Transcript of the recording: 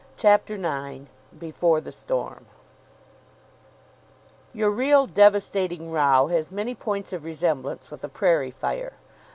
CHAPTER IX BEFORE THE STORM Your real, devastating row has many points of resemblance with a prairie fire.